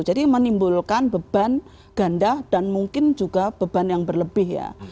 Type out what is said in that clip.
jadi menimbulkan beban ganda dan mungkin juga beban yang berlebih ya